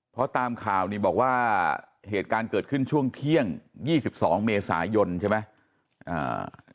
เพราะตามข่าวนี่บอกว่าเหตุการณ์เกิดขึ้นช่วงเที่ยง๒๒เมษายนใช่ไหม